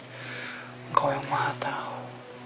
engkau yang maha tahu